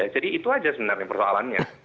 jadi itu saja sebenarnya persoalannya